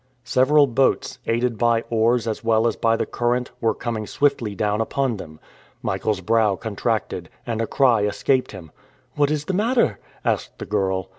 Several boats, aided by oars as well as by the current, were coming swiftly down upon them. Michael's brow contracted, and a cry escaped him. "What is the matter?" asked the girl.